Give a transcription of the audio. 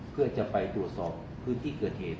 เพื่อจะไปตรวจสอบพื้นที่เกิดเหตุ